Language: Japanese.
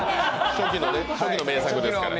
初期の名作ですから。